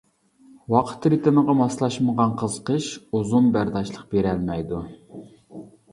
ۋاقىت رىتىمىغا ماسلاشمىغان قىزىقىش ئۇزۇن بەرداشلىق بېرەلمەيدۇ.